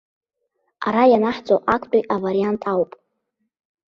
Ара ианаҳҵо актәи авариант ауп.